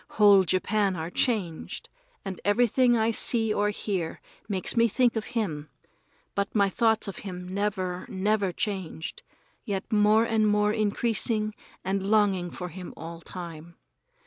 Whole Japan are changed, and everything I see or hear makes me think of him; but my thoughts of him never, never changed, yet more and more increase and longing for him all time.